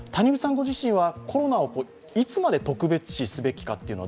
ご自身は、コロナをいつまで特別視すべきかというのは